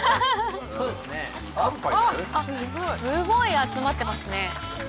すごい集まってますね。